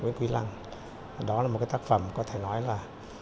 nguyễn quý lăng đó là một cái tác phẩm có thể nói là